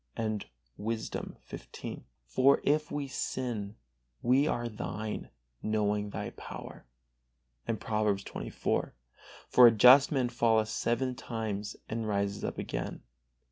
And Wisdom xv: "For if we sin, we are Thine, knowing Thy power." And Proverbs xxiv: "For a just man falleth seven times, and riseth up again."